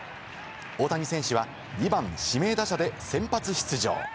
大谷選手は２番・指名打者で先発出場。